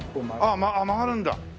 ああ曲がるんだ。